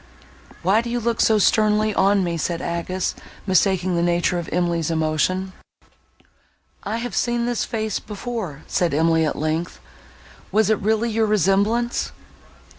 "Why do you look so sternly on me?" said Agnes, mistaking the nature of Emily's emotion. "I have seen this face before," said Emily, at length; "was it really your resemblance?"